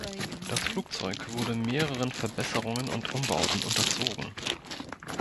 Das Flugzeug wurde mehreren Verbesserungen und Umbauten unterzogen.